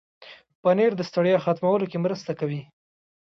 پنېر د ستړیا ختمولو کې مرسته کوي.